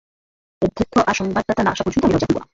অধ্যক্ষ আর সংবাদদাতা না আসা পর্যন্ত আমি দরজা খুলব না।